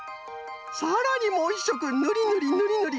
さらにもう１しょくぬりぬりぬりぬり。